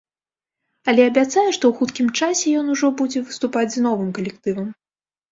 Але абяцае, што ў хуткім часе ён ужо будзе выступаць з новым калектывам.